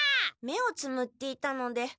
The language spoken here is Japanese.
目をつむっていたので。